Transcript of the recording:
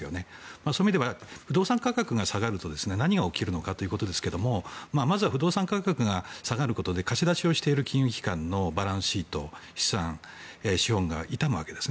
そういう意味では不動産価格が下がると何が起こるかということですがまずは不動産価格が下がることで貸し出ししている金融機関のバランスシート、資産資本が痛むわけです。